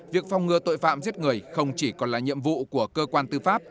việc phòng ngừa tội phạm giết người không chỉ còn là nhiệm vụ của cơ quan tư pháp